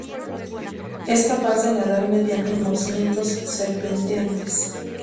Es capaz de nadar mediante movimientos serpenteantes.